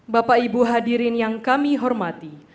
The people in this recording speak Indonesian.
bapak ibu hadirin yang kami hormati